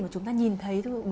mà chúng ta nhìn thấy